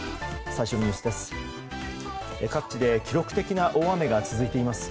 最初のニュースです。